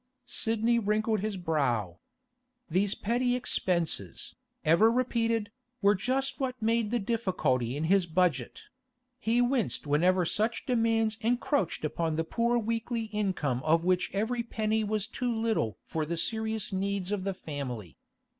Sidney wrinkled his brow. These petty expenses, ever repeated, were just what made the difficulty in his budget; he winced whenever such demands encroached upon the poor weekly income of which every penny was too little for the serious needs of the family.